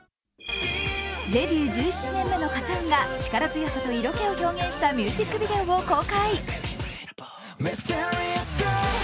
デビュー１７年目のＫＡＴ−ＴＵＮが力強さと色気を表現したミュージックビデオを公開。